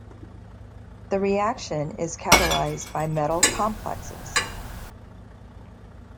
The reaction is catalyzed by metal complexes.